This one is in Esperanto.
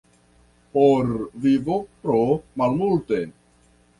Por vivo tro malmulte.